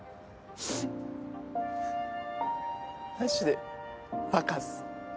マジでバカっす。